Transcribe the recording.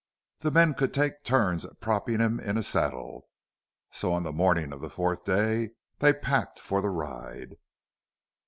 The men could take turns at propping him in a saddle. So on the morning of the fourth day they packed for the ride.